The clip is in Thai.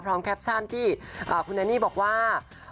พร้อมแคปชั่นที่คุณแนนี่บอกว่า